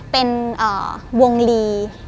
เป็นวงลี